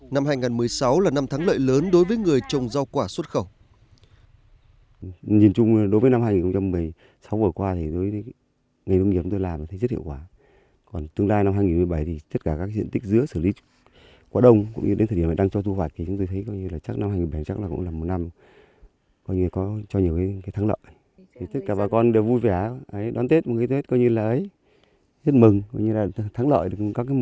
năm hai nghìn một mươi sáu là năm thắng lợi lớn đối với người trồng rau quả xuất khẩu